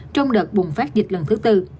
trong đợt bùng phát dịch lần thứ tư